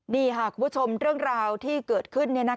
นี่ค่ะคุณผู้ชมเรื่องราวที่เกิดขึ้นเนี่ยนะคะ